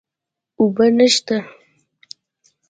اوبه نشته